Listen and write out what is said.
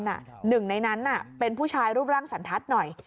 หนึ่งในนั้นเป็นผู้ชายรูปร่างสันทัศน์หน่อย